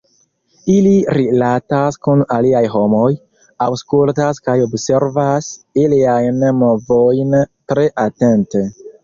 Ili rilatas kun aliaj homoj, aŭskultas kaj observas iliajn movojn tre atente.